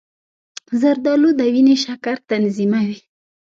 زردآلو د وینې شکر تنظیموي.